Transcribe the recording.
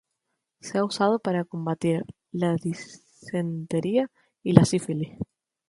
Se ha usado para combatir la disentería y la sífilis.